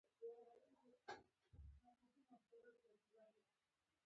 قیمتي غالۍ د هنر یوه نښه ده.